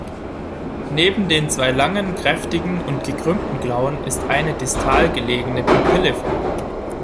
Neben den zwei langen, kräftigen und gekrümmten Klauen ist eine distal gelegene Papille vorhanden.